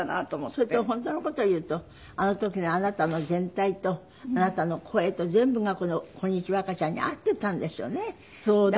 それと本当の事を言うとあの時のあなたの全体とあなたの声と全部がこの『こんにちは赤ちゃん』に合っていたんでしょうね。